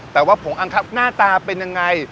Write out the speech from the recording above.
แต่ว่าผงอังครับหน้าตาเป็นยังไง